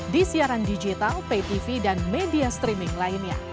di siaran digital pay tv dan media streaming lainnya